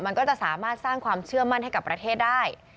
มันก็จะสามารถสร้างความเชื่อมั่นให้กับประเทศได้